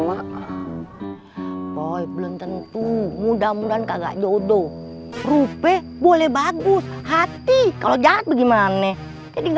mak boy belum tentu mudah mudahan kagak jodoh rupiah boleh bagus hati kalau jatuh gimana jadi